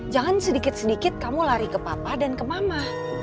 jangan sedikit sedikit kamu lari ke papa dan ke mama